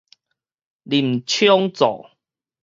林昶佐